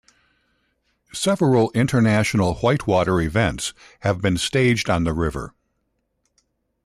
Several international whitewater events have been staged on the river.